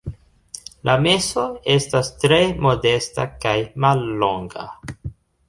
La meso estas tre modesta kaj mallonga.